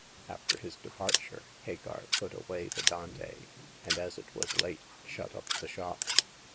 After his departure, Hagar put away the Dante, and, as it was late, shut up the shop.